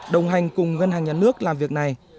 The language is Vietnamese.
đồng hành cùng ngân hàng nhà nước làm việc này